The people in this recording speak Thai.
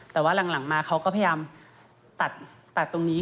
แต่ว่าหลังมาเขาก็พยายามตัดตรงนี้